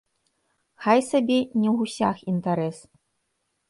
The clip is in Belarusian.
Хай сабе не ў гусях інтарэс.